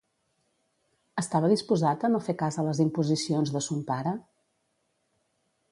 Estava disposat a no fer cas a les imposicions de son pare?